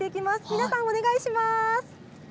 皆さん、お願いします。